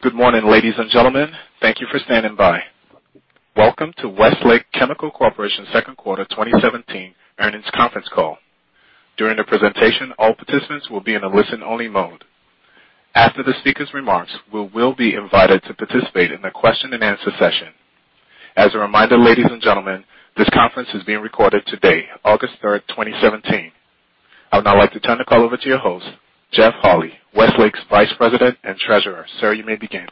Good morning, ladies and gentlemen. Thank you for standing by. Welcome to Westlake Chemical Corporation's second quarter 2017 earnings conference call. During the presentation, all participants will be in a listen-only mode. After the speaker's remarks, we will be invited to participate in the question and answer session. As a reminder, ladies and gentlemen, this conference is being recorded today, August 3rd, 2017. I would now like to turn the call over to your host, Jeff Holy, Westlake's Vice President and Treasurer. Sir, you may begin.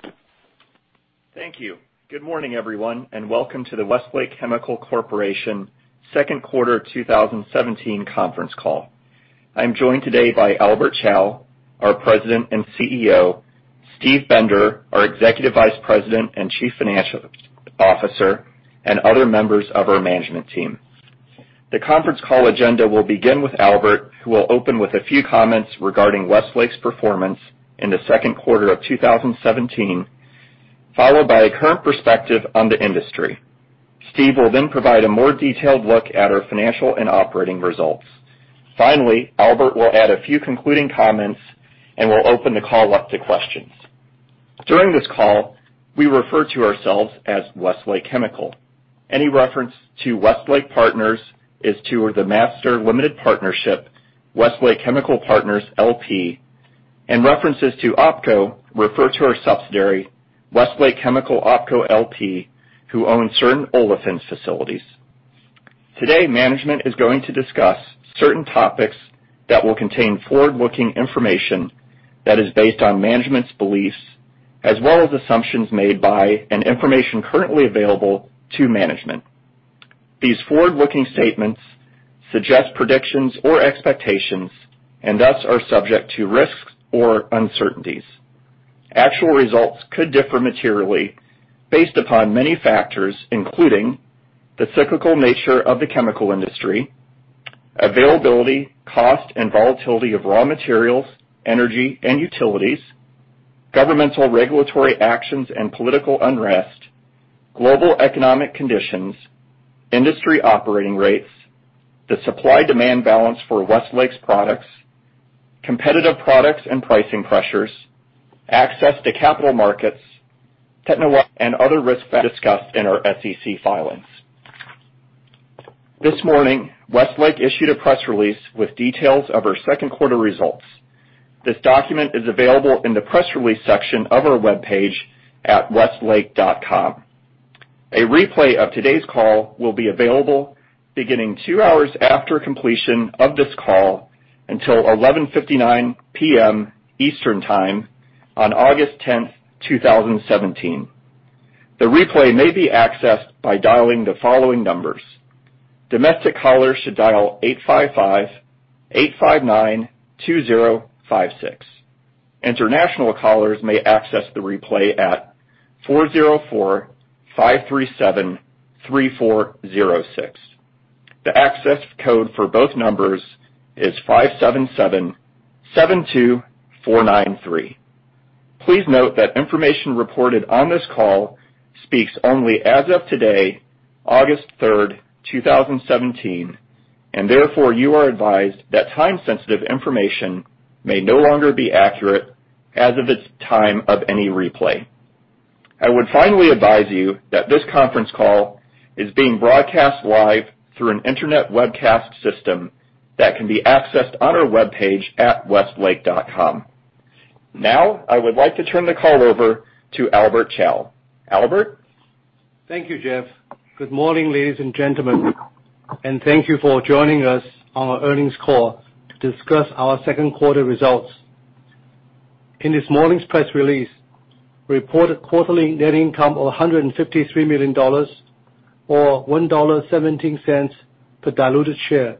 Thank you. Good morning, everyone, welcome to the Westlake Chemical Corporation second quarter 2017 conference call. I'm joined today by Albert Chao, our President and CEO, Steve Bender, our Executive Vice President and Chief Financial Officer, and other members of our management team. The conference call agenda will begin with Albert, who will open with a few comments regarding Westlake's performance in the second quarter of 2017, followed by a current perspective on the industry. Steve will provide a more detailed look at our financial and operating results. Finally, Albert will add a few concluding comments, we'll open the call up to questions. During this call, we refer to ourselves as Westlake Chemical. Any reference to Westlake Partners is to the master limited partnership, Westlake Chemical Partners, LP, and references to OpCo refer to our subsidiary, Westlake Chemical OpCo LP, who own certain olefins facilities. Today, management is going to discuss certain topics that will contain forward-looking information that is based on management's beliefs, as well as assumptions made by and information currently available to management. These forward-looking statements suggest predictions or expectations, thus are subject to risks or uncertainties. Actual results could differ materially based upon many factors, including the cyclical nature of the chemical industry, availability, cost, and volatility of raw materials, energy and utilities, governmental regulatory actions and political unrest, global economic conditions, industry operating rates, the supply/demand balance for Westlake's products, competitive products and pricing pressures, access to capital markets, technical and other risks discussed in our SEC filings. This morning, Westlake issued a press release with details of our second quarter results. This document is available in the press release section of our webpage at westlake.com. A replay of today's call will be available beginning two hours after completion of this call until 11:59 P.M. Eastern Time on August 10th, 2017. The replay may be accessed by dialing the following numbers. Domestic callers should dial 855-859-2056. International callers may access the replay at 404-537-3406. The access code for both numbers is 577-72493. Please note that information reported on this call speaks only as of today, August 3rd, 2017, therefore you are advised that time-sensitive information may no longer be accurate as of its time of any replay. I would finally advise that this conference call is being broadcast live through an internet webcast system that can be accessed on our webpage at westlake.com. Now, I would like to turn the call over to Albert Chao. Albert? Thank you, Jeff. Good morning, ladies and gentlemen, thank you for joining us on our earnings call to discuss our second quarter results. In this morning's press release, we reported quarterly net income of $153 million, or $1.17 per diluted share.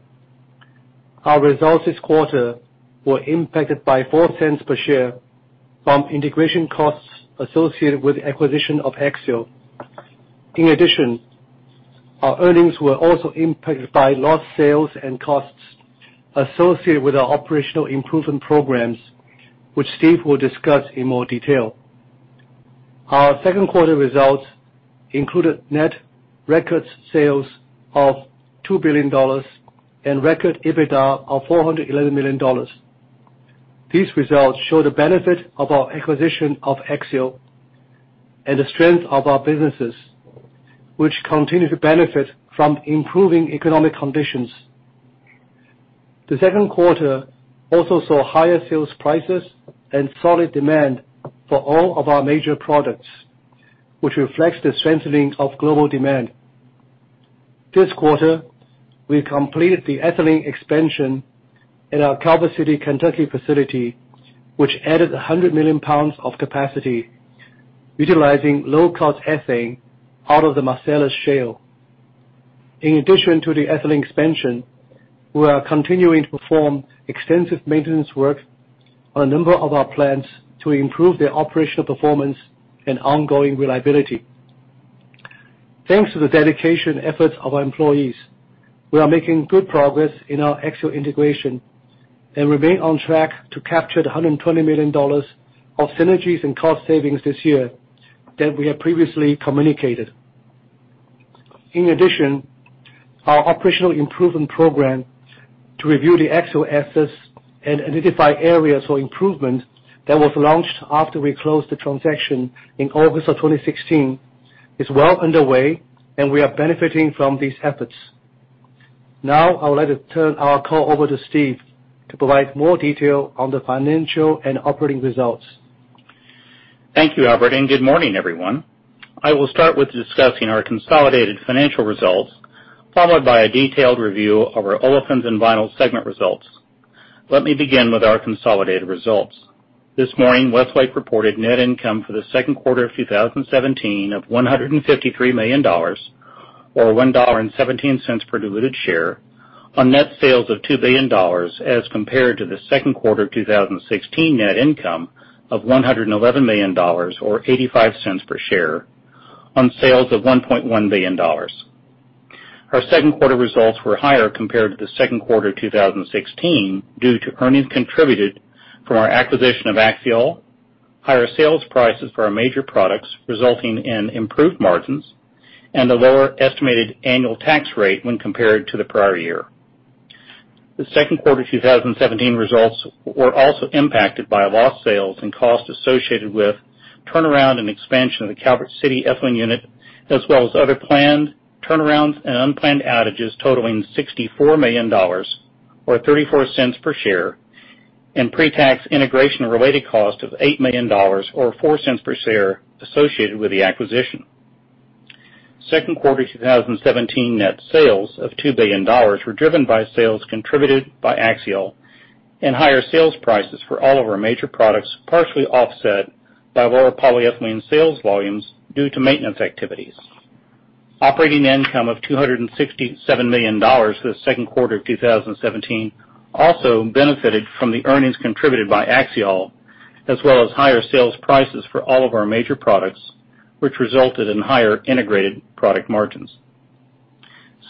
Our results this quarter were impacted by $0.04 per share from integration costs associated with the acquisition of Axiall. In addition, our earnings were also impacted by lost sales and costs associated with our operational improvement programs, which Steve will discuss in more detail. Our second quarter results included net records sales of $2 billion and record EBITDA of $411 million. These results show the benefit of our acquisition of Axiall and the strength of our businesses, which continue to benefit from improving economic conditions. The second quarter also saw higher sales prices and solid demand for all of our major products, which reflects the strengthening of global demand. This quarter, we completed the ethylene expansion in our Calvert City, Kentucky facility, which added 100 million pounds of capacity utilizing low cost ethane out of the Marcellus Shale. In addition to the ethylene expansion, we are continuing to perform extensive maintenance work on a number of our plants to improve their operational performance and ongoing reliability. Thanks to the dedication efforts of our employees, we are making good progress in our Axiall integration and remain on track to capture the $120 million of synergies and cost savings this year that we have previously communicated. In addition, our operational improvement program to review the Axiall assets and identify areas for improvement that was launched after we closed the transaction in August of 2016 is well underway. We are benefiting from these efforts. Now, I would like to turn our call over to Steve to provide more detail on the financial and operating results. Thank you, Albert, and good morning, everyone. I will start with discussing our consolidated financial results, followed by a detailed review of our Olefins & Vinyls segment results. Let me begin with our consolidated results. This morning, Westlake reported net income for the second quarter of 2017 of $153 million, or $1.17 per diluted share on net sales of $2 billion as compared to the second quarter of 2016 net income of $111 million, or $0.85 per share on sales of $1.1 billion. Our second quarter results were higher compared to the second quarter 2016, due to earnings contributed from our acquisition of Axiall, higher sales prices for our major products resulting in improved margins, and a lower estimated annual tax rate when compared to the prior year. The second quarter 2017 results were also impacted by a loss sales and cost associated with turnaround and expansion of the Calvert City ethylene unit, as well as other planned turnarounds and unplanned outages totaling $64 million, or $0.34 per share, and pre-tax integration related cost of $8 million, or $0.04 per share associated with the acquisition. Second quarter 2017 net sales of $2 billion were driven by sales contributed by Axiall and higher sales prices for all of our major products, partially offset by lower polyethylene sales volumes due to maintenance activities. Operating income of $267 million for the second quarter of 2017 also benefited from the earnings contributed by Axiall, as well as higher sales prices for all of our major products, which resulted in higher integrated product margins.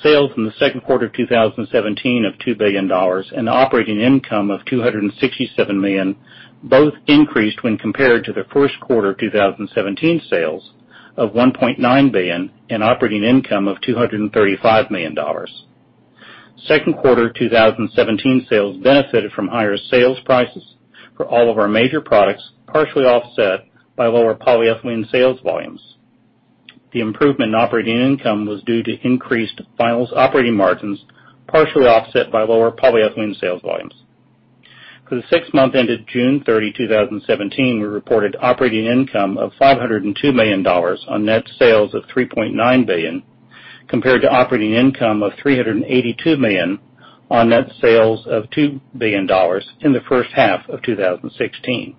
Sales in the second quarter of 2017 of $2 billion and operating income of $267 million both increased when compared to the first quarter 2017 sales of $1.9 billion and operating income of $235 million. Second quarter 2017 sales benefited from higher sales prices for all of our major products, partially offset by lower polyethylene sales volumes. The improvement in operating income was due to increased Vinyls operating margins, partially offset by lower polyethylene sales volumes. For the six month ended June 30, 2017, we reported operating income of $502 million on net sales of $3.9 billion, compared to operating income of $382 million on net sales of $2 billion in the first half of 2016.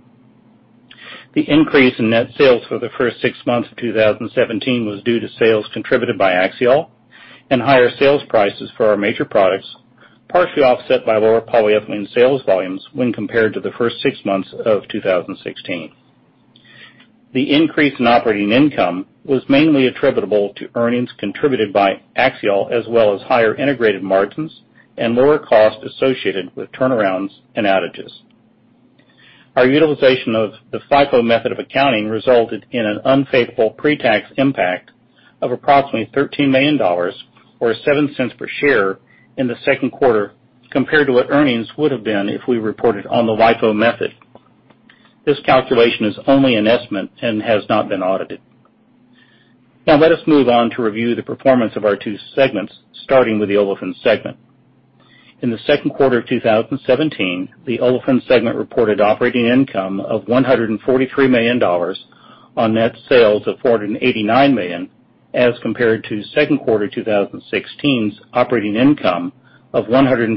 The increase in net sales for the first six months of 2017 was due to sales contributed by Axiall and higher sales prices for our major products, partially offset by lower polyethylene sales volumes when compared to the first six months of 2016. The increase in operating income was mainly attributable to earnings contributed by Axiall, as well as higher integrated margins and lower cost associated with turnarounds and outages. Our utilization of the FIFO method of accounting resulted in an unfavorable pre-tax impact of approximately $13 million, or $0.07 per share in the second quarter compared to what earnings would've been if we reported on the LIFO method. This calculation is only an estimate and has not been audited. Now let us move on to review the performance of our two segments, starting with the Olefins segment. In the second quarter of 2017, the Olefins segment reported operating income of $143 million on net sales of $489 million as compared to second quarter 2016's operating income of $141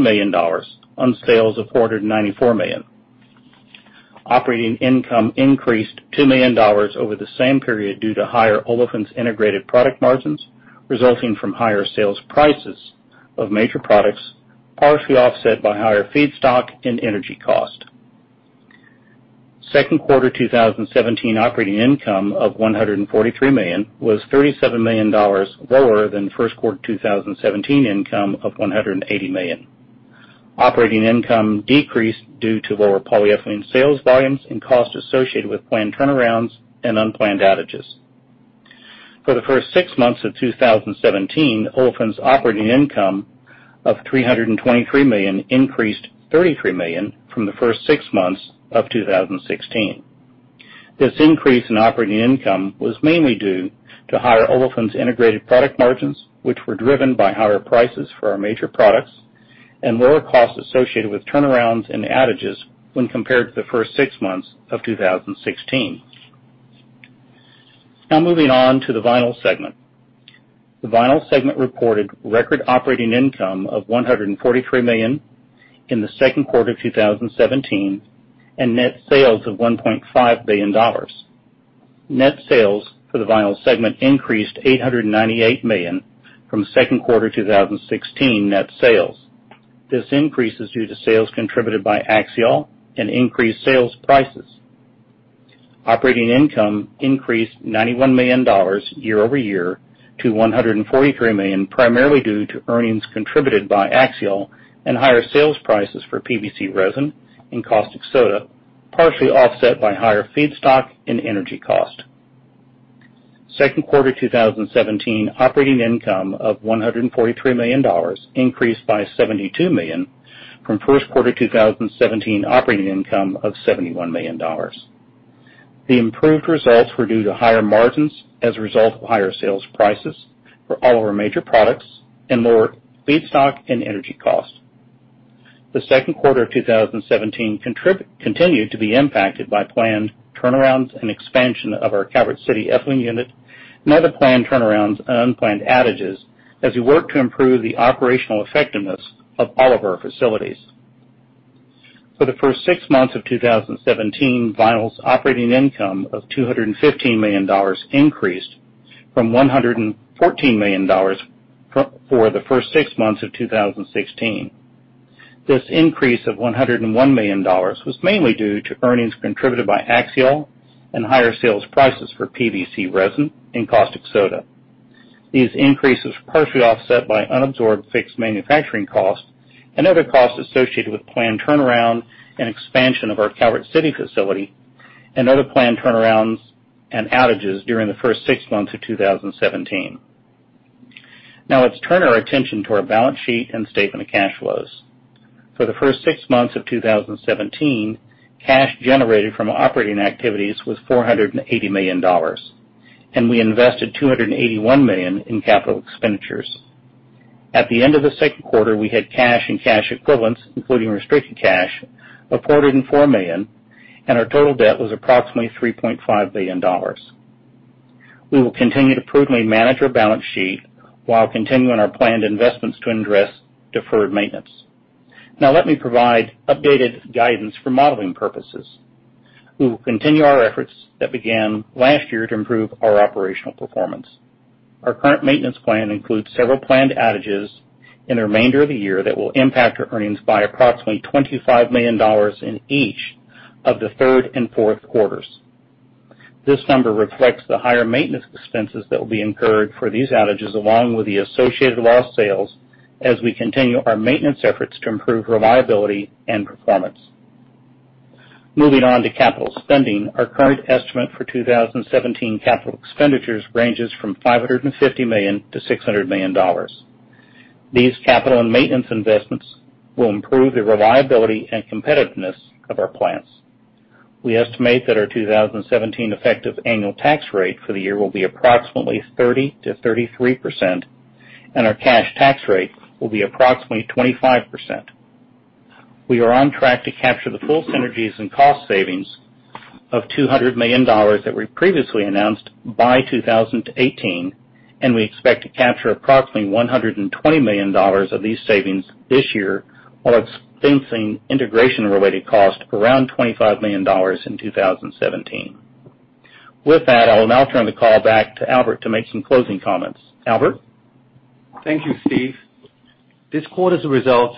million on sales of $494 million. Operating income increased $2 million over the same period due to higher Olefins integrated product margins resulting from higher sales prices of major products, partially offset by higher feedstock and energy cost. Second quarter 2017 operating income of $143 million was $37 million lower than first quarter 2017 income of $180 million. Operating income decreased due to lower polyethylene sales volumes and cost associated with planned turnarounds and unplanned outages. For the first six months of 2017, Olefins operating income of $323 million increased $33 million from the first six months of 2016. This increase in operating income was mainly due to higher Olefins integrated product margins, which were driven by higher prices for our major products and lower costs associated with turnarounds and outages when compared to the first six months of 2016. Moving on to the Vinyls segment. The Vinyls segment reported record operating income of $143 million in the second quarter of 2017, and net sales of $1.5 billion. Net sales for the Vinyls segment increased $898 million from second quarter 2016 net sales. This increase is due to sales contributed by Axiall and increased sales prices. Operating income increased $91 million year-over-year to $143 million, primarily due to earnings contributed by Axiall and higher sales prices for PVC resin and caustic soda, partially offset by higher feedstock and energy cost. Second quarter 2017 operating income of $143 million increased by $72 million from first quarter 2017 operating income of $71 million. The improved results were due to higher margins as a result of higher sales prices for all of our major products, and lower feedstock and energy costs. The second quarter of 2017 continued to be impacted by planned turnarounds and expansion of our Calvert City ethylene unit, and other planned turnarounds and unplanned outages as we work to improve the operational effectiveness of all of our facilities. For the first six months of 2017, Vinyls operating income of $215 million increased from $114 million for the first six months of 2016. This increase of $101 million was mainly due to earnings contributed by Axiall and higher sales prices for PVC resin and caustic soda. These increases were partially offset by unabsorbed fixed manufacturing costs and other costs associated with planned turnaround and expansion of our Calvert City facility, and other planned turnarounds and outages during the first six months of 2017. Let's turn our attention to our balance sheet and statement of cash flows. For the first six months of 2017, cash generated from operating activities was $480 million, and we invested $281 million in capital expenditures. At the end of the second quarter, we had cash and cash equivalents, including restricted cash, of $404 million, and our total debt was approximately $3.5 billion. We will continue to prudently manage our balance sheet while continuing our planned investments to address deferred maintenance. Let me provide updated guidance for modeling purposes. We will continue our efforts that began last year to improve our operational performance. Our current maintenance plan includes several planned outages in the remainder of the year that will impact our earnings by approximately $25 million in each of the third and fourth quarters. This number reflects the higher maintenance expenses that will be incurred for these outages, along with the associated lost sales as we continue our maintenance efforts to improve reliability and performance. Moving on to capital spending, our current estimate for 2017 capital expenditures ranges from $550 million-$600 million. These capital and maintenance investments will improve the reliability and competitiveness of our plants. We estimate that our 2017 effective annual tax rate for the year will be approximately 30%-33%, and our cash tax rate will be approximately 25%. We are on track to capture the full synergies and cost savings of $200 million that we previously announced by 2018. We expect to capture approximately $120 million of these savings this year, while expensing integration related costs around $25 million in 2017. With that, I will now turn the call back to Albert to make some closing comments. Albert? Thank you, Steve. This quarter's results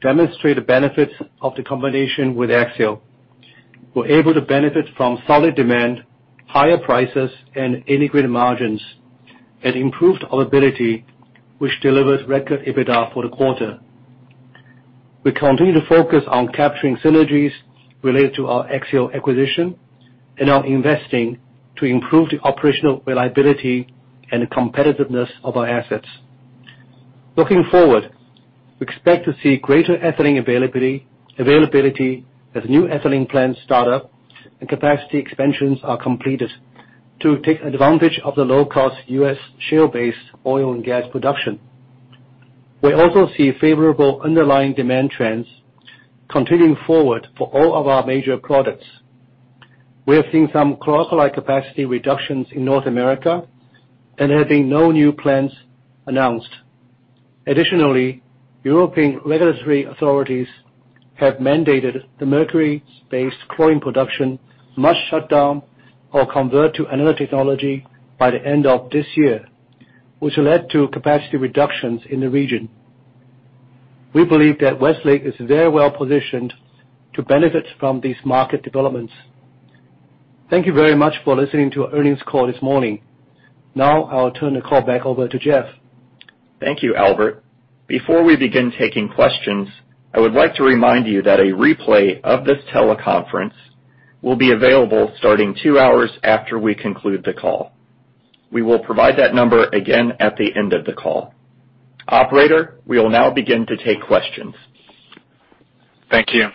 demonstrate the benefits of the combination with Axiall. We are able to benefit from solid demand, higher prices, integrated margins, and improved availability, which delivers record EBITDA for the quarter. We continue to focus on capturing synergies related to our Axiall acquisition and are investing to improve the operational reliability and competitiveness of our assets. Looking forward, we expect to see greater ethylene availability as new ethylene plants start up and capacity expansions are completed to take advantage of the low cost U.S. shale based oil and gas production. We also see favorable underlying demand trends continuing forward for all of our major products. We have seen some chlor-alkali capacity reductions in North America. There have been no new plants announced. Additionally, European regulatory authorities have mandated the mercury cell chlorine production must shut down or convert to another technology by the end of this year, which will lead to capacity reductions in the region. We believe that Westlake is very well positioned to benefit from these market developments. Thank you very much for listening to our earnings call this morning. Now I'll turn the call back over to Jeff. Thank you, Albert. Before we begin taking questions, I would like to remind you that a replay of this teleconference will be available starting 2 hours after we conclude the call. We will provide that number again at the end of the call. Operator, we will now begin to take questions. Thank you.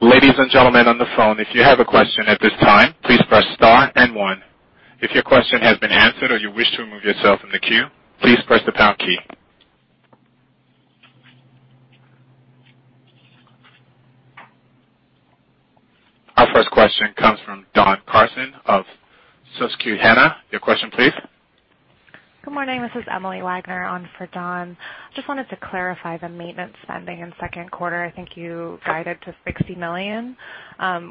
Ladies and gentlemen on the phone, if you have a question at this time, please press star and one. If your question has been answered or you wish to remove yourself from the queue, please press the pound key. Our first question comes from Don Carson of Susquehanna. Your question please. Good morning. This is Emily Wagner on for Don. Just wanted to clarify the maintenance spending in second quarter. I think you guided to $60 million.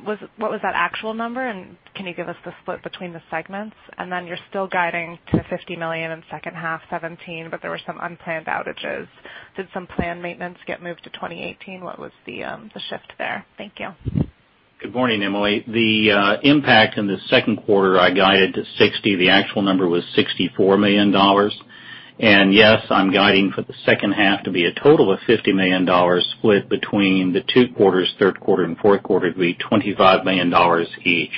What was that actual number and can you give us the split between the segments? Then you're still guiding to $50 million in second half 2017, but there were some unplanned outages. Did some planned maintenance get moved to 2018? What was the shift there? Thank you. Good morning, Emily. The impact in the second quarter, I guided to $60. The actual number was $64 million. Yes, I'm guiding for the second half to be a total of $50 million split between the two quarters, third quarter and fourth quarter, to be $25 million each.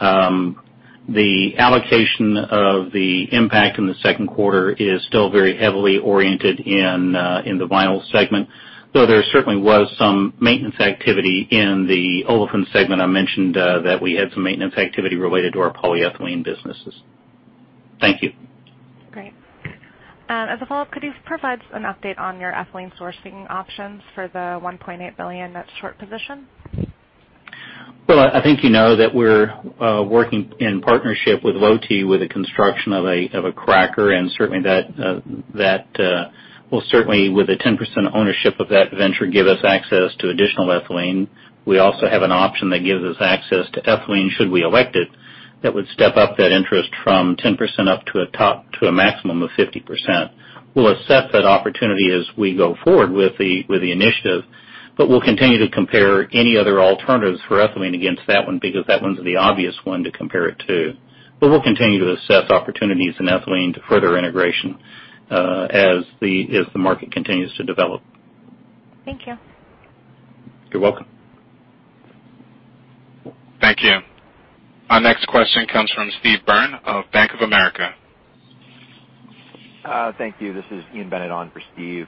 The allocation of the impact in the second quarter is still very heavily oriented in the vinyl segment, though there certainly was some maintenance activity in the olefin segment. I mentioned that we had some maintenance activity related to our polyethylene businesses. Thank you. Great. As a follow-up, could you provide an update on your ethylene sourcing options for the 1.8 billion net short position? Well, I think you know that we're working in partnership with Lotte with the construction of a cracker, and certainly that will, with a 10% ownership of that venture, give us access to additional ethylene. We also have an option that gives us access to ethylene, should we elect it, that would step up that interest from 10% up to a maximum of 50%. We'll assess that opportunity as we go forward with the initiative, but we'll continue to compare any other alternatives for ethylene against that one, because that one's the obvious one to compare it to. We'll continue to assess opportunities in ethylene to further integration as the market continues to develop. Thank you. You're welcome. Thank you. Our next question comes from Steve Byrne of Bank of America. Thank you. This is Ian Bennett on for Steve.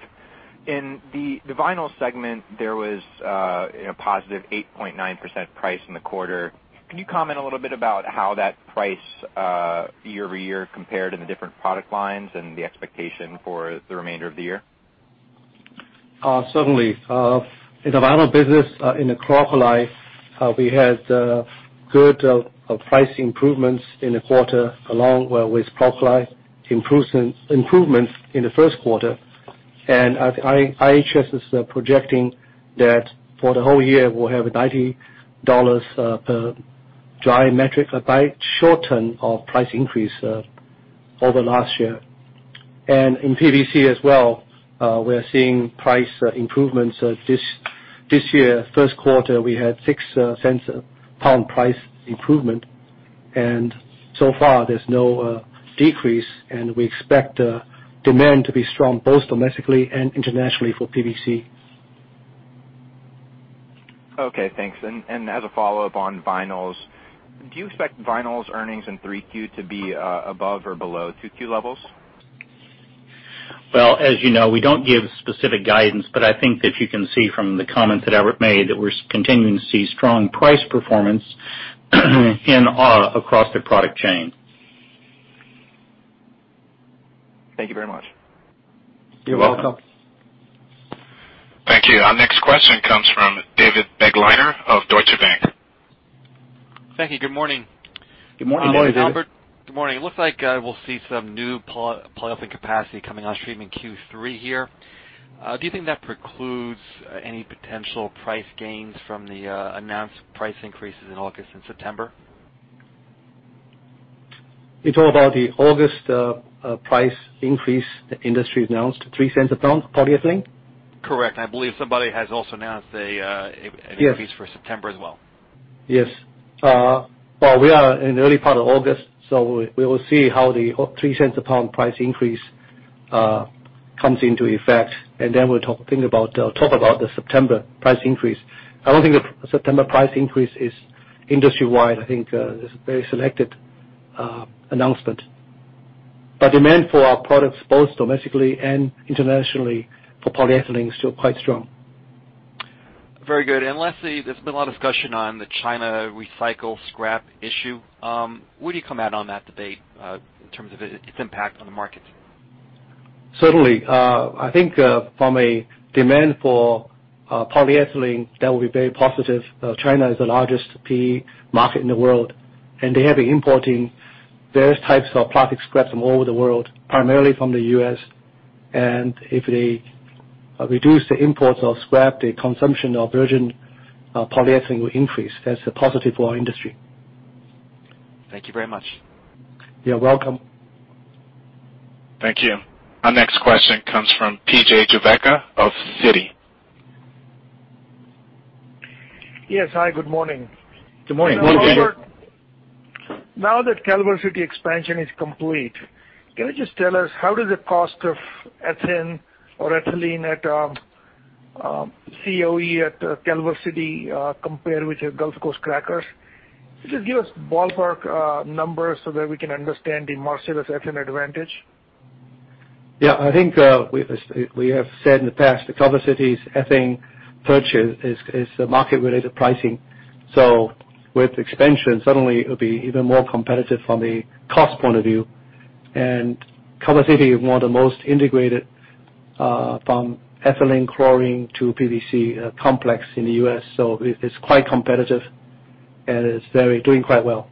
In the vinyl segment, there was a positive 8.9% price in the quarter. Can you comment a little bit about how that price year-over-year compared in the different product lines and the expectation for the remainder of the year? Certainly. In the vinyl business, in the chlor-alkali, we had good price improvements in the quarter along with chlor-alkali improvements in the first quarter. IHS is projecting that for the whole year, we'll have a $90 dry metric by shorten of price increase over last year. In PVC as well, we are seeing price improvements. This year, first quarter, we had $0.06 a pound price improvement, and so far there's no decrease, and we expect demand to be strong both domestically and internationally for PVC. Okay, thanks. As a follow-up on vinyls, do you expect vinyls earnings in three Q to be above or below two Q levels? Well, as you know, we don't give specific guidance, I think if you can see from the comment that Albert made, that we're continuing to see strong price performance in chlor-alkali across the product chain. Thank you very much. You're welcome. You're welcome. Thank you. Our next question comes from David Begleiter of Deutsche Bank. Thank you. Good morning. Good morning, David. Good morning. Good morning. It looks like we'll see some new polyolefin capacity coming on stream in Q3 here. Do you think that precludes any potential price gains from the announced price increases in August and September? You're talking about the August price increase the industry announced, $0.03 a pound polyethylene? Correct. I believe somebody has also announced Yes increase for September as well. Yes. Well, we are in early part of August, we will see how the $0.03 a pound price increase comes into effect, then we'll talk about the September price increase. I don't think the September price increase is industry wide. I think it's a very selected announcement. Demand for our products both domestically and internationally for polyethylene is still quite strong. Very good. Lastly, there's been a lot of discussion on the China recycle scrap issue. Where do you come out on that debate in terms of its impact on the markets? Certainly. I think from a demand for polyethylene, that will be very positive. China is the largest PE market in the world, they have been importing various types of plastic scraps from all over the world, primarily from the U.S. If they reduce the imports of scrap, the consumption of virgin polyethylene will increase. That's a positive for our industry. Thank you very much. You're welcome. Thank you. Our next question comes from P.J. Juvekar of Citi. Yes. Hi, good morning. Good morning. Good morning. Now that Calvert City expansion is complete, can you just tell us how does the cost of ethane or ethylene at COE at Calvert City compare with your Gulf Coast crackers? Could you give us ballpark numbers so that we can understand the Marcellus ethane advantage? Yeah, I think we have said in the past that Calvert City's ethane purchase is market-related pricing. With expansion, suddenly it'll be even more competitive from a cost point of view. Calvert City is one of the most integrated from ethylene chlorine to PVC complex in the U.S., so it's quite competitive, and it's doing quite well.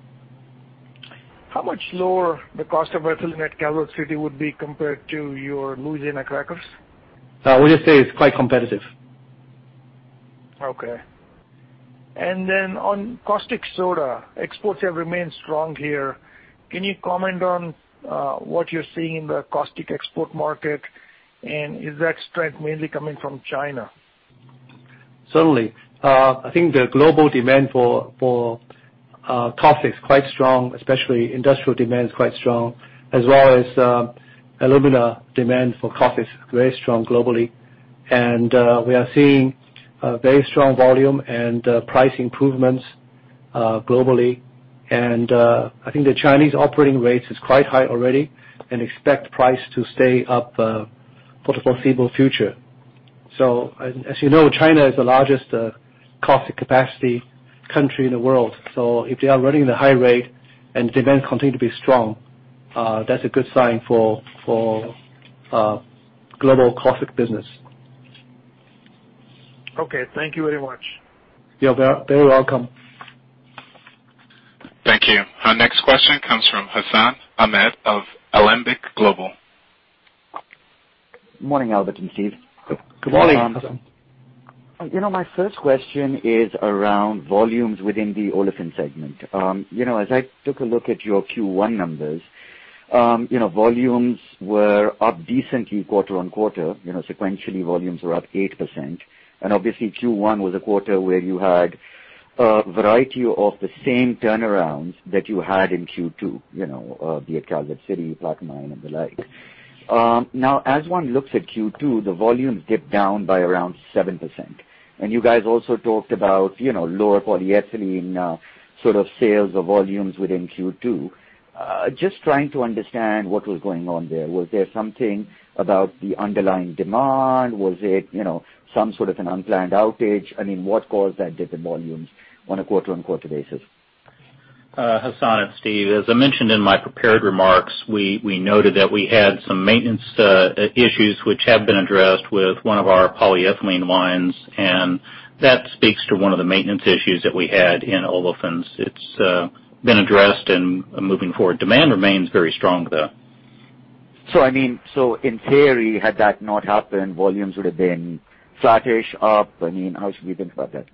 How much lower the cost of ethylene at Calvert City would be compared to your Louisiana crackers? I would just say it's quite competitive. Okay. Then on caustic soda, exports have remained strong here. Can you comment on what you're seeing in the caustic export market, and is that strength mainly coming from China? Certainly. I think the global demand for caustic is quite strong, especially industrial demand is quite strong, as well as alumina demand for caustic is very strong globally. We are seeing very strong volume and price improvements globally. I think the Chinese operating rates is quite high already and expect price to stay up for the foreseeable future. As you know, China is the largest caustic capacity country in the world. If they are running the high rate and demand continue to be strong, that's a good sign for global caustic business. Okay. Thank you very much. You're very welcome. Thank you. Our next question comes from Hassan Ahmed of Alembic Global. Morning, Albert and Steve. Good morning, Hassan. My first question is around volumes within the olefin segment. As I took a look at your Q1 numbers, volumes were up decently quarter-on-quarter. Sequentially, volumes were up 8%. Obviously Q1 was a quarter where you had a variety of the same turnarounds that you had in Q2, be it Calvert City, Plaquemine, and the like. As one looks at Q2, the volumes dipped down by around 7%. You guys also talked about lower polyethylene sort of sales or volumes within Q2. Just trying to understand what was going on there. Was there something about the underlying demand? Was it some sort of an unplanned outage? I mean, what caused that dip in volumes on a quarter-on-quarter basis? Hassan, it's Steve. As I mentioned in my prepared remarks, we noted that we had some maintenance issues which have been addressed with one of our polyethylene lines, and that speaks to one of the maintenance issues that we had in olefins. It's been addressed and moving forward. Demand remains very strong, though. I mean, in theory, had that not happened, volumes would have been flattish, up? I mean, how should we think about that?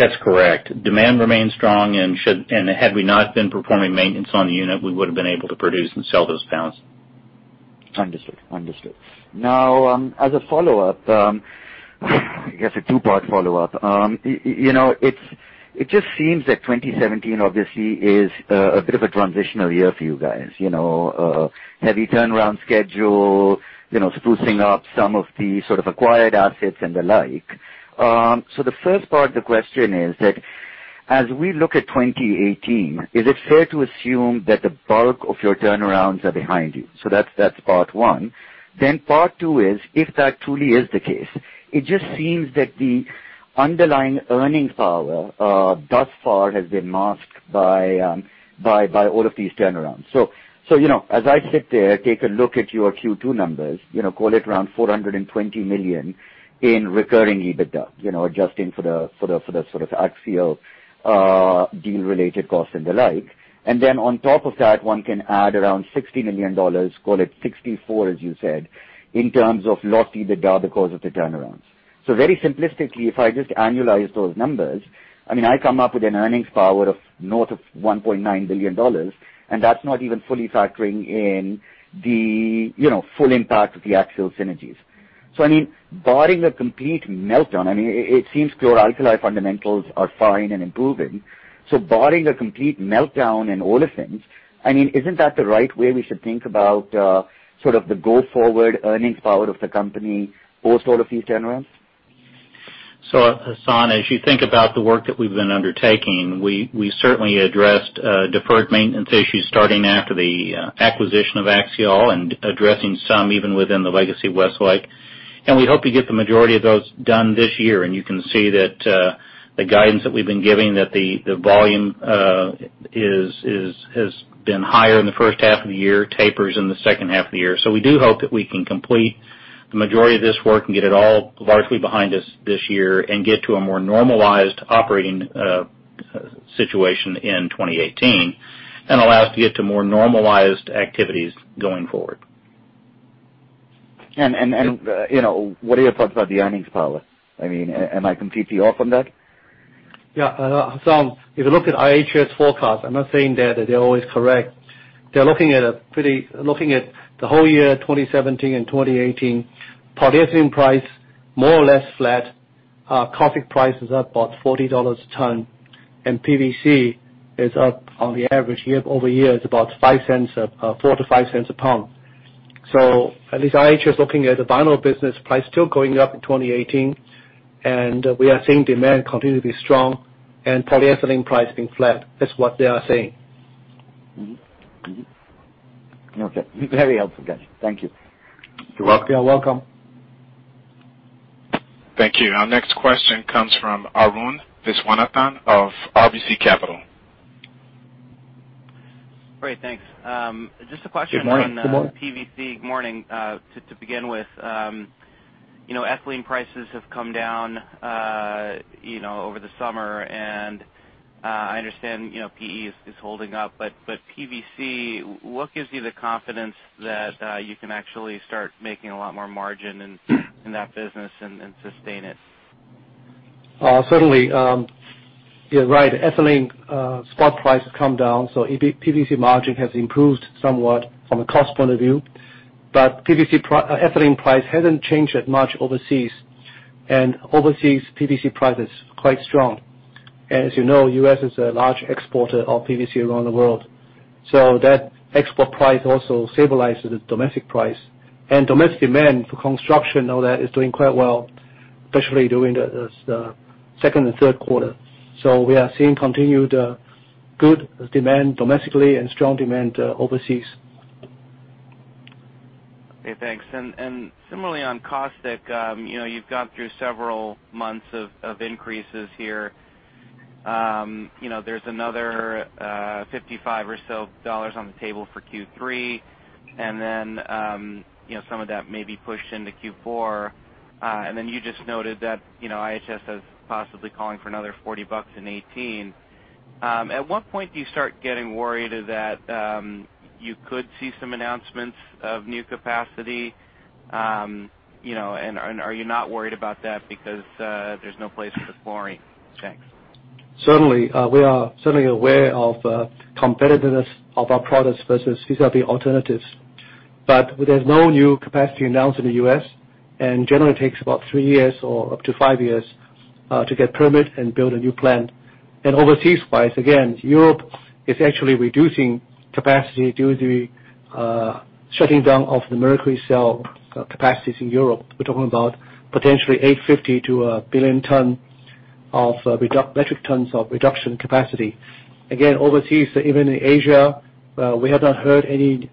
That's correct. Demand remains strong and had we not been performing maintenance on the unit, we would have been able to produce and sell those pounds. Understood. Understood. As a follow-up, I guess a two-part follow-up. It just seems that 2017 obviously is a bit of a transitional year for you guys. Heavy turnaround schedule, sprucing up some of the sort of acquired assets and the like. The first part of the question is that as we look at 2018, is it fair to assume that the bulk of your turnarounds are behind you? That's part one. Part two is, if that truly is the case, it just seems that the underlying earning power thus far has been masked by all of these turnarounds. As I sit there, take a look at your Q2 numbers, call it around $420 million in recurring EBITDA, adjusting for the sort of Axiall deal related costs and the like. On top of that, one can add around $60 million, call it 64, as you said, in terms of lost EBITDA because of the turnarounds. Very simplistically, if I just annualize those numbers, I mean, I come up with an earnings power of north of $1.9 billion, and that's not even fully factoring in the full impact of the Axiall synergies. Barring a complete meltdown, I mean, it seems chlor-alkali fundamentals are fine and improving. Barring a complete meltdown in olefins, I mean, isn't that the right way we should think about sort of the go forward earnings power of the company post all of these turnarounds? Hassan, as you think about the work that we've been undertaking, we certainly addressed deferred maintenance issues starting after the acquisition of Axiall and addressing some even within the legacy Westlake, and we hope to get the majority of those done this year. You can see that the guidance that we've been giving, that the volume has been higher in the first half of the year, tapers in the second half of the year. We do hope that we can complete the majority of this work and get it all largely behind us this year and get to a more normalized operating situation in 2018 and allow us to get to more normalized activities going forward. What are your thoughts about the earnings power? I mean, am I completely off on that? Yeah. Hassan, if you look at IHS forecast, I'm not saying that they're always correct. They're looking at the whole year 2017 and 2018, polyethylene price more or less flat. Caustic price is up about $40 a ton, PVC is up on the average year-over-year is about $0.04-$0.05 a pound. At least IHS is looking at the vinyl business price still going up in 2018. We are seeing demand continue to be strong and polyethylene pricing flat. That's what they are saying. Okay. Very helpful, guys. Thank you. You're welcome. You're welcome. Thank you. Our next question comes from Arun Viswanathan of RBC Capital. Great, thanks. Good morning. On PVC. Morning. To begin with, ethylene prices have come down over the summer, and I understand PE is holding up, but PVC, what gives you the confidence that you can actually start making a lot more margin in that business and sustain it? Certainly. You're right. Ethylene spot price has come down. PVC margin has improved somewhat from a cost point of view. Ethylene price hasn't changed that much overseas. Overseas PVC price is quite strong. As you know, U.S. is a large exporter of PVC around the world. That export price also stabilizes the domestic price. Domestic demand for construction and all that is doing quite well, especially during the second and third quarter. We are seeing continued good demand domestically and strong demand overseas. Okay, thanks. Similarly on caustic, you've gone through several months of increases here. There's another $55 or so on the table for Q3. Some of that may be pushed into Q4. You just noted that IHS is possibly calling for another $40 in 2018. At what point do you start getting worried that you could see some announcements of new capacity? Are you not worried about that because there's no place for the chlorine? Thanks. Certainly. We are certainly aware of competitiveness of our products versus these are the alternatives. There's no new capacity announced in the U.S. Generally takes about 3 years or up to 5 years to get permit and build a new plant. Overseas wise, again, Europe is actually reducing capacity due to the shutting down of the mercury cell capacities in Europe. We're talking about potentially 850 to 1 billion metric tons of reduction capacity. Again, overseas, even in Asia, we have not heard any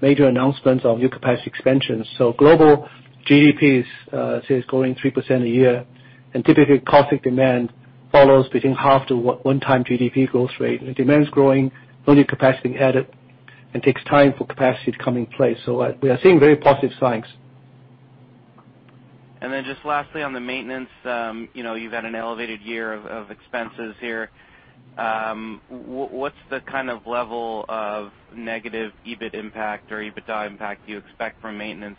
major announcements of new capacity expansions. Global GDP is growing 3% a year. Typically, caustic demand follows between half to 1 time GDP growth rate. The demand is growing, no new capacity added. Takes time for capacity to come in place. We are seeing very positive signs. Just lastly, on the maintenance, you've had an elevated year of expenses here. What's the level of negative EBIT impact or EBITDA impact you expect from maintenance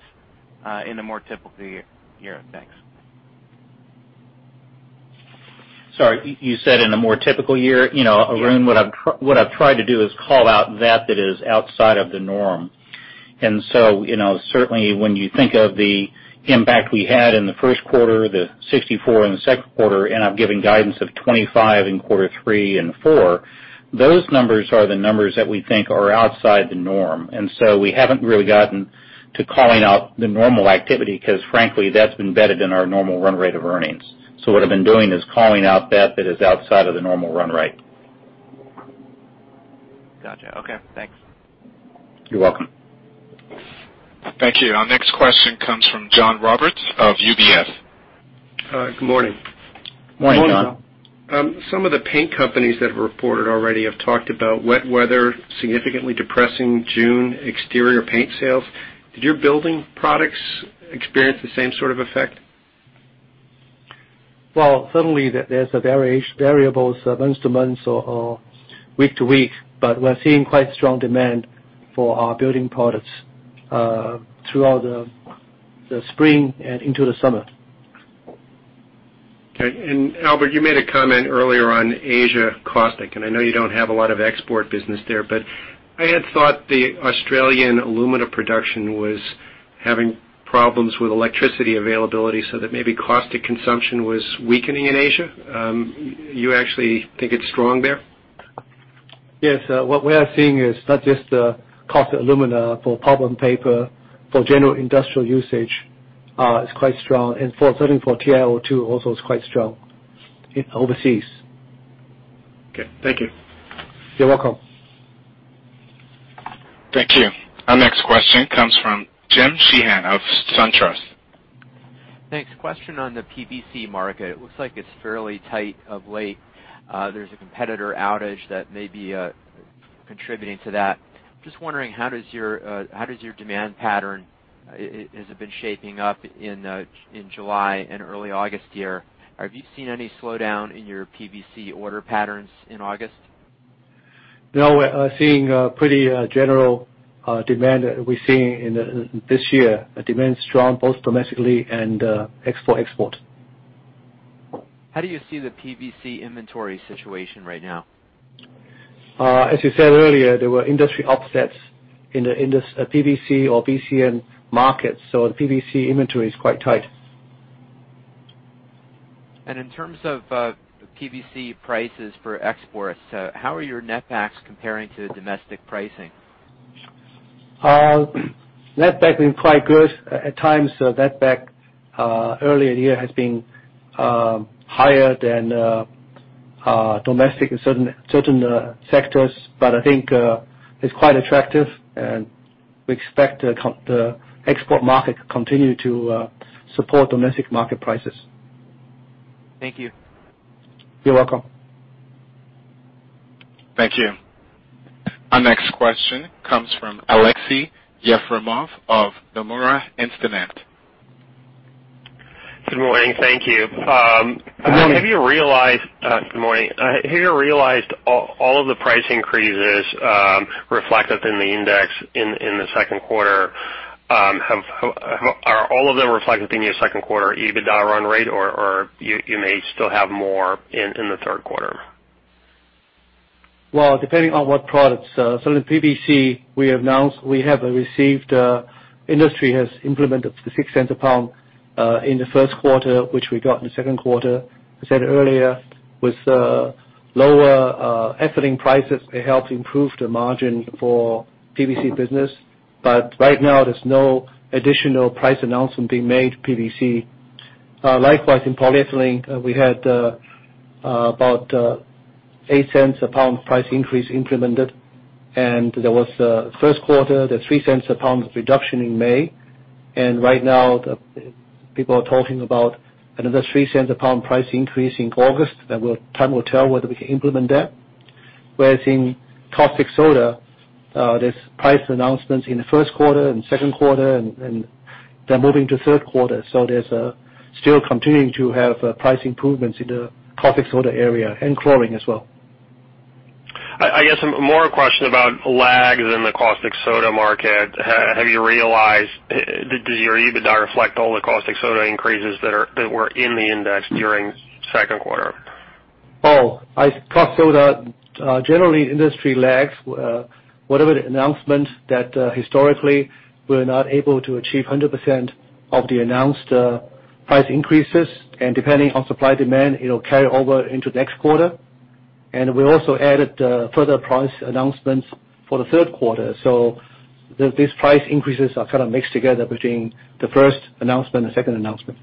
in a more typical year? Thanks. Sorry, you said in a more typical year? Yes. Arun, what I've tried to do is call out that that is outside of the norm. Certainly when you think of the impact we had in the first quarter, the 64 in the second quarter, and I've given guidance of 25 in quarter three and four, those numbers are the numbers that we think are outside the norm. We haven't really gotten to calling out the normal activity because frankly, that's embedded in our normal run rate of earnings. What I've been doing is calling out that that is outside of the normal run rate. Got you. Okay, thanks. You're welcome. Thank you. Our next question comes from John Roberts of UBS. Good morning. Morning, John. Morning. Some of the paint companies that have reported already have talked about wet weather significantly depressing June exterior paint sales. Did your building products experience the same sort of effect? Well, certainly there's variables month to month or week to week, we're seeing quite strong demand for our building products throughout the spring and into the summer. Okay. Albert, you made a comment earlier on Asia caustic, I know you don't have a lot of export business there, I had thought the Australian alumina production was having problems with electricity availability so that maybe caustic consumption was weakening in Asia. You actually think it's strong there? Yes. What we are seeing is not just the caustic alumina for pulp and paper, for general industrial usage, is quite strong, certainly for TiO2 also is quite strong overseas. Okay. Thank you. You're welcome. Thank you. Our next question comes from Jim Sheehan of SunTrust. Thanks. Question on the PVC market. It looks like it is fairly tight of late. There is a competitor outage that may be contributing to that. Just wondering, how does your demand pattern, has it been shaping up in July and early August here? Have you seen any slowdown in your PVC order patterns in August? No, we are seeing a pretty general demand. We are seeing this year, demand is strong both domestically and export. How do you see the PVC inventory situation right now? As you said earlier, there were industry upsets in the PVC or VCM markets, the PVC inventory is quite tight. In terms of PVC prices for exports, how are your netbacks comparing to domestic pricing? Netback has been quite good. At times, net back earlier in the year has been higher than domestic in certain sectors, I think it's quite attractive, we expect the export market to continue to support domestic market prices. Thank you. You're welcome. Thank you. Our next question comes from Aleksey Yefremov of Nomura Instinet. Good morning. Thank you. Morning. Good morning. Have you realized all of the price increases reflected in the index in the second quarter? Are all of them reflected in your second quarter EBITDA run rate, or you may still have more in the third quarter? Well, depending on what products. In PVC, we have received, industry has implemented the $0.06 a pound in the first quarter, which we got in the second quarter. I said earlier, with lower ethylene prices, it helped improve the margin for PVC business. Right now, there is no additional price announcement being made PVC. Likewise, in polyethylene, we had about $0.08 a pound price increase implemented, and there was first quarter, the $0.03 a pound reduction in May. Right now, people are talking about another $0.03 a pound price increase in August. Time will tell whether we can implement that. Whereas in caustic soda, there are price announcements in the first quarter and second quarter, and they are moving to third quarter. There is still continuing to have price improvements in the caustic soda area and chlorine as well. I guess more a question about lags in the caustic soda market. Have you realized, does your EBITDA reflect all the caustic soda increases that were in the index during second quarter? Oh, caustic soda, generally industry lags. Whatever the announcement that historically we are not able to achieve 100% of the announced price increases, and depending on supply-demand, it will carry over into next quarter. We also added further price announcements for the third quarter. These price increases are kind of mixed together between the first announcement and second announcement.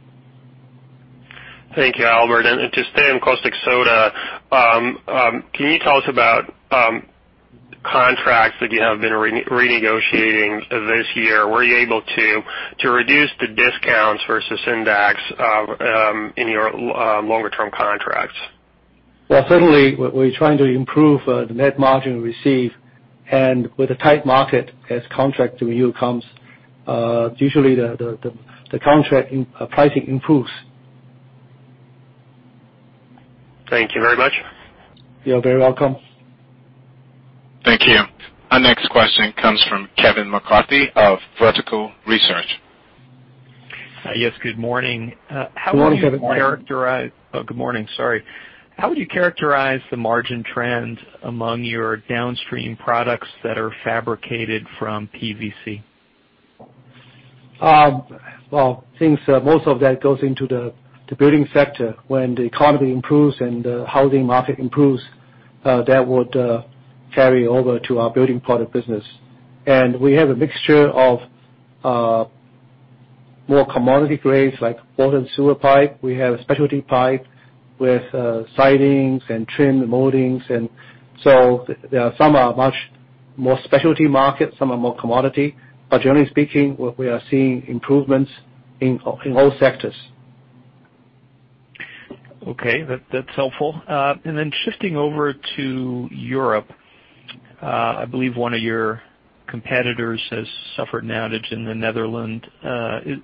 Thank you, Albert. To stay on caustic soda, can you tell us about contracts that you have been renegotiating this year? Were you able to reduce the discounts versus index in your longer-term contracts? Well, certainly we're trying to improve the net margin we receive, and with a tight market as contract review comes, usually the contract pricing improves. Thank you very much. You're very welcome. Thank you. Our next question comes from Kevin McCarthy of Vertical Research. Yes, good morning. Good morning, Kevin. Oh, good morning, sorry. How would you characterize the margin trend among your downstream products that are fabricated from PVC? Well, since most of that goes into the building sector, when the economy improves and the housing market improves, that would carry over to our building product business. We have a mixture of more commodity grades like water and sewer pipe. We have specialty pipe with sidings and trim moldings. Some are much more specialty market, some are more commodity. Generally speaking, we are seeing improvements in all sectors. Okay. That's helpful. Shifting over to Europe, I believe one of your competitors has suffered an outage in the Netherlands.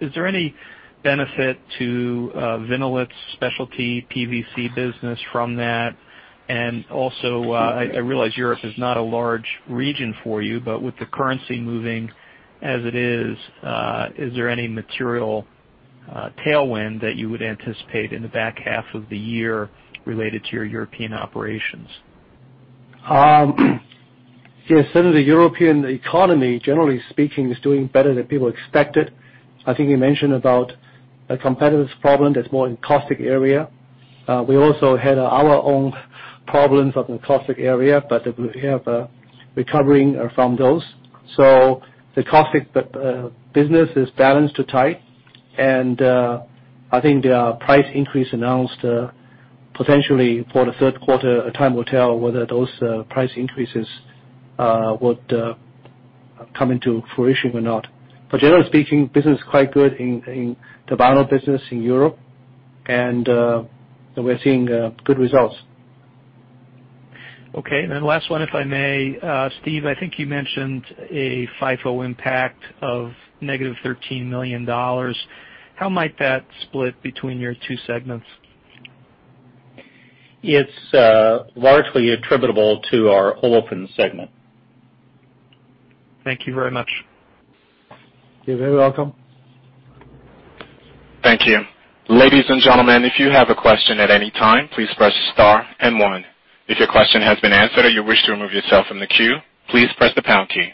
Is there any benefit to Vinnolit's specialty PVC business from that? I realize Europe is not a large region for you, but with the currency moving as it is there any material tailwind that you would anticipate in the back half of the year related to your European operations? Yes, certainly the European economy, generally speaking, is doing better than people expected. I think you mentioned about a competitor's problem that's more in caustic area. We also had our own problems in the caustic area, but we have recovering from those. The caustic business is balanced to tight, I think there are price increase announced potentially for the third quarter. Time will tell whether those price increases would come into fruition or not. Generally speaking, business is quite good in the vinyl business in Europe, and we're seeing good results. Okay. Last one, if I may. Steve, I think you mentioned a FIFO impact of negative $13 million. How might that split between your two segments? It's largely attributable to our Olefins segment. Thank you very much. You're very welcome. Thank you. Ladies and gentlemen, if you have a question at any time, please press star and one. If your question has been answered or you wish to remove yourself from the queue, please press the pound key.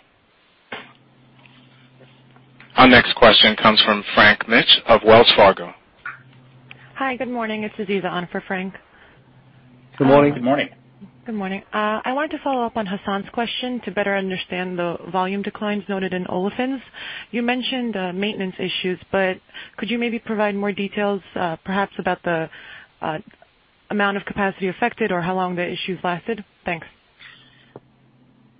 Our next question comes from Frank Mitsch of Wells Fargo. Hi, good morning. It's Aziza on for Frank. Good morning. Good morning. Good morning. I wanted to follow up on Hassan's question to better understand the volume declines noted in Olefins. Could you maybe provide more details perhaps about the amount of capacity affected or how long the issues lasted? Thanks.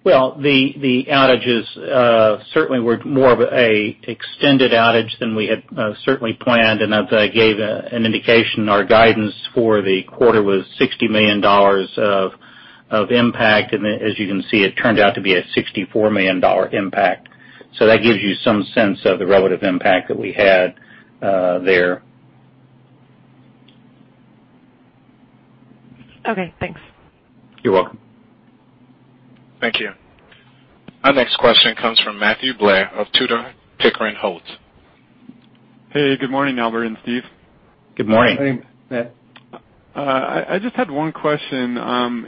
Well, the outages certainly were more of an extended outage than we had certainly planned. As I gave an indication, our guidance for the quarter was $60 million of impact. As you can see, it turned out to be a $64 million impact. That gives you some sense of the relative impact that we had there. Okay, thanks. You're welcome. Thank you. Our next question comes from Matthew Blair of Tudor, Pickering, Holt. Hey, good morning, Albert and Steve. Good morning. Good morning, Matt. I just had one question.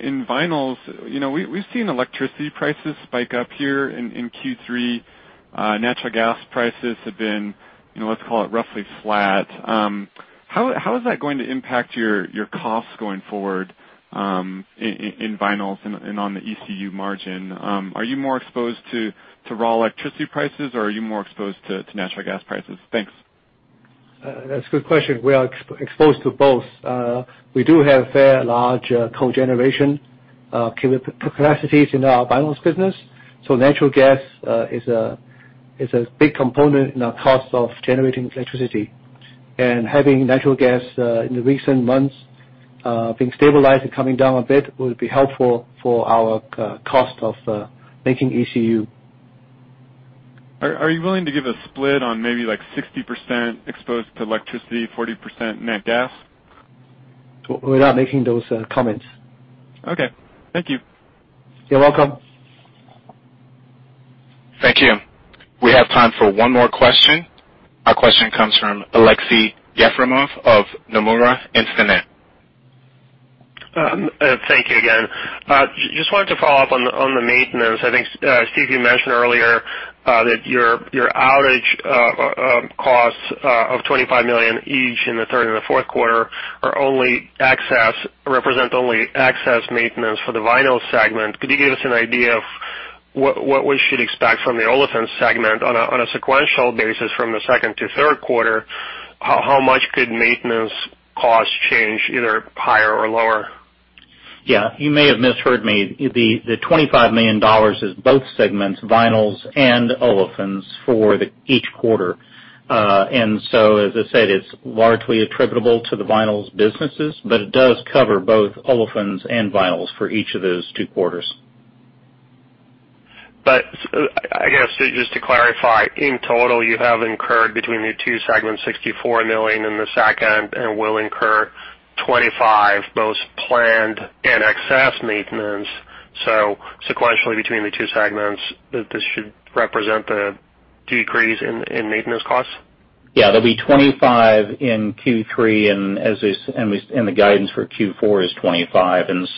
In vinyls, we've seen electricity prices spike up here in Q3. Natural gas prices have been, let's call it roughly flat. How is that going to impact your costs going forward in vinyls and on the ECU margin? Are you more exposed to raw electricity prices or are you more exposed to natural gas prices? Thanks. That's a good question. We are exposed to both. We do have a fair large cogeneration capacities in our vinyls business, natural gas is a big component in our cost of generating electricity. Having natural gas in the recent months being stabilized and coming down a bit will be helpful for our cost of making ECU. Are you willing to give a split on maybe 60% exposed to electricity, 40% nat gas? We're not making those comments. Okay. Thank you. You're welcome. Thank you. We have time for one more question. Our question comes from Aleksey Yefremov of Nomura Instinet. Thank you again. Just wanted to follow up on the maintenance. I think, Steve, you mentioned earlier that your outage costs of $25 million each in the third and the fourth quarter represent only excess maintenance for the vinyl segment. Could you give us an idea of what we should expect from the olefins segment on a sequential basis from the second to third quarter? How much could maintenance costs change, either higher or lower? You may have misheard me. The $25 million is both segments, vinyls and olefins, for each quarter. As I said, it's largely attributable to the vinyls businesses, but it does cover both olefins and vinyls for each of those two quarters. I guess, just to clarify, in total, you have incurred between the two segments, $64 million in Q2 and will incur $25 million, both planned and excess maintenance. Sequentially between the two segments, this should represent a decrease in maintenance costs? Yeah. There will be $25 million in Q3 and the guidance for Q4 is $25 million.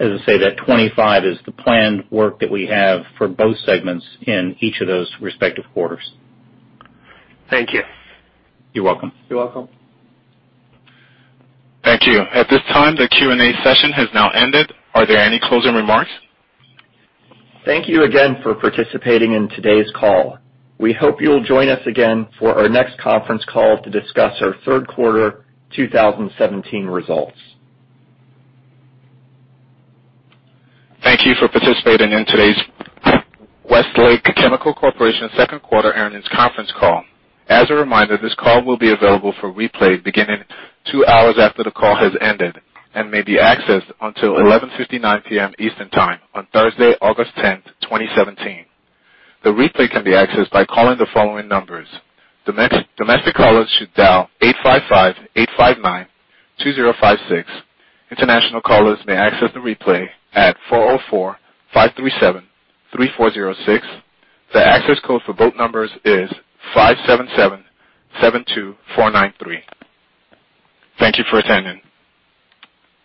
As I say, that $25 million is the planned work that we have for both segments in each of those respective quarters. Thank you. You're welcome. You're welcome. Thank you. At this time, the Q&A session has now ended. Are there any closing remarks? Thank you again for participating in today's call. We hope you'll join us again for our next conference call to discuss our third quarter 2017 results. Thank you for participating in today's Westlake Chemical Corporation second quarter earnings conference call. As a reminder, this call will be available for replay beginning two hours after the call has ended and may be accessed until 11:59 P.M. Eastern Time on Thursday, August 10th, 2017. The replay can be accessed by calling the following numbers. Domestic callers should dial 855-859-2056. International callers may access the replay at 404-537-3406. The access code for both numbers is 577-72493. Thank you for attending.